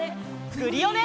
クリオネ！